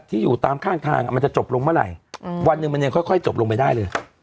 ที่อยู่ตามข้างทางมันจะจบลงเมื่อไหร่วันหนึ่งมันยังค่อยจบลงไปได้เลย